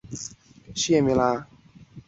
该物种的模式产地在长崎。